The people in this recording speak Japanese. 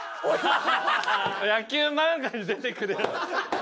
野球漫画に出てくるやつ。